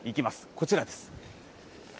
こちらです。